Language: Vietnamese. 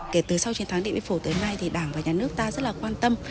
kể từ sau chiến thắng địa mỹ phổ tới nay thì đảng và nhà nước ta rất là quan tâm